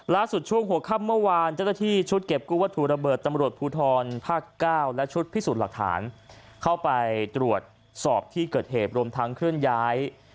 ช่วงหัวค่ำเมื่อวานเจ้าหน้าที่ชุดเก็บกู้วัตถุระเบิดตำรวจภูทรภาคเก้าและชุดพิสูจน์หลักฐานเข้าไปตรวจสอบที่เกิดเหตุรวมทั้งเคลื่อนย้าย